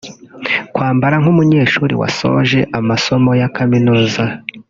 kwambara nk’umunyeshuri wasoje amasomo ya Kaminuza